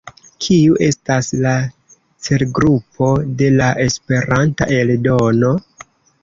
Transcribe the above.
Kiu estas la celgrupo de la Esperanta eldono?